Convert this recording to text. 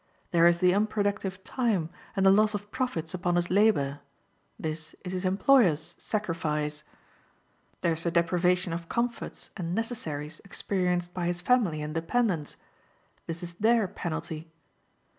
There is the unproductive time, and the loss of profits upon his labor: this is his employer's sacrifice. There is the deprivation of comforts and necessaries experienced by his family and dependents: this is their penalty.